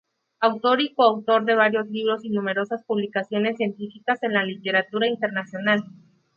Autor y coautor de varios libros y numerosas publicaciones científicas en la literatura internacional.